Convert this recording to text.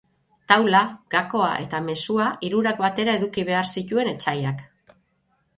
Taula, gakoa eta mezua, hirurak batera eduki behar zituen etsaiak.